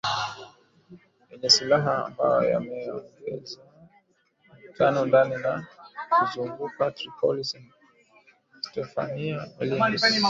yenye silaha ambayo yameongeza mvutano ndani na kuzunguka Tripoli Stephanie Williams